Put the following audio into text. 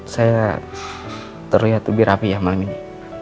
saya terlihat lebih rapi ya malam ini